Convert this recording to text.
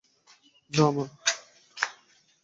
না, মা।